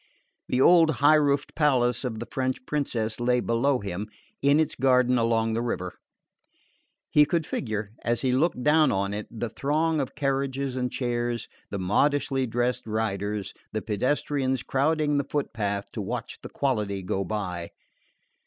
The old high roofed palace of the French princess lay below him, in its gardens along the river: he could figure, as he looked down on it, the throng of carriages and chairs, the modishly dressed riders, the pedestrians crowding the footpath to watch the quality go by.